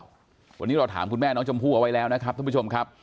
วันนี้เราถามคุณแม่น้องชมพู่เอาไว้แล้วนะครับท่านผู้ชมครับ